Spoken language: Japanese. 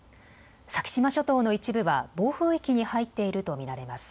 先島諸島の一部は暴風域に入っていると見られます。